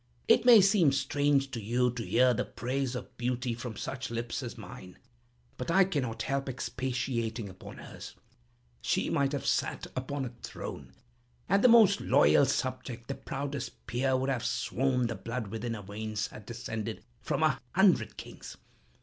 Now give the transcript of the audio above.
It may seem strange to you to hear the praise of beauty from such lips as mine; but I cannot help expatiating upon hers. She might have sat upon a throne, and the most loyal subject, the proudest peer, would have sworn the blood within her veins had descended from a hundred kings.